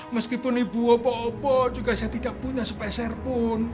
meskipun ibu opo opo juga saya tidak punya sepeserpun